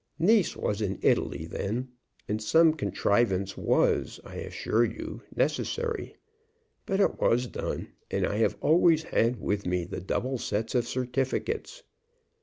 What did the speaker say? Nice was in Italy then, and some contrivance was, I assure you, necessary. But it was done, and I have always had with me the double sets of certificates.